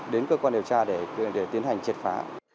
đến cơ quan điều tra để tiến hành triệt phá